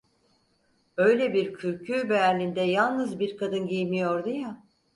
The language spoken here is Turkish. Öyle bir kürkü Berlin'de yalnız bir kadın giymiyordu ya?